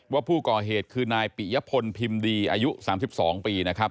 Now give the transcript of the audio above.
ว่าผู้ก่อเหตุคือนายปิยพลพิมพ์ดีอายุ๓๒ปีนะครับ